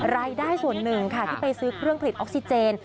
รายได้ส่วนหนึ่งค่ะที่ไปซื้อเครื่องผลิตออกซิเจน